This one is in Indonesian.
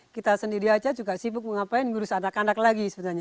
kita sendiri saja sibuk mengurus anak anak lagi